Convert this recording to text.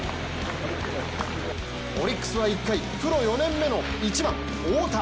オリックスは１回プロ４年目の１番・太田。